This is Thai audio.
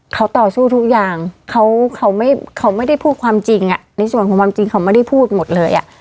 เขาต่อสู้ทุกอย่างเขาไม่ได้พูดความจริงในส่วนของความจริงเขาไม่ได้พูดหมดเลยอ่ะ